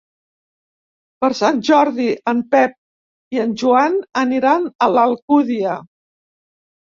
Per Sant Jordi en Pep i en Joan aniran a l'Alcúdia.